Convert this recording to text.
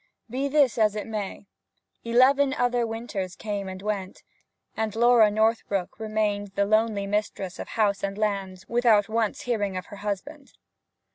Be this as it may, eleven other winters came and went, and Laura Northbrook remained the lonely mistress of house and lands without once hearing of her husband.